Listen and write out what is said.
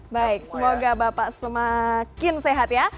baik semoga bapak semakin sehat ya